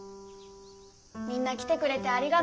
みんな来てくれてありがとう。